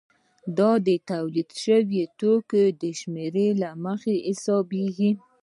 دا د تولید شویو توکو د شمېر له مخې حسابېږي